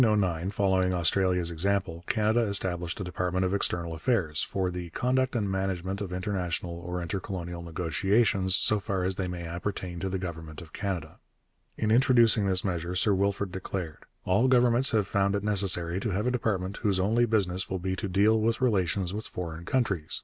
In 1909, following Australia's example, Canada established a department of External Affairs for 'the conduct and management of international or intercolonial negotiations, so far as they may appertain to the government of Canada.' In introducing this measure Sir Wilfrid declared: 'All governments have found it necessary to have a department whose only business will be to deal with relations with foreign countries....